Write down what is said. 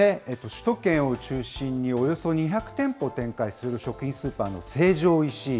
首都圏を中心におよそ２００店舗展開する食品スーパーの成城石井。